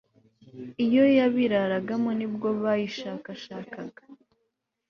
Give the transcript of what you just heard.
iyo yabiraragamo, ni bwo bayishakashakaga